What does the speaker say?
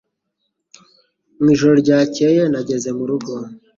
Mwijoro ryakeye nageze murugo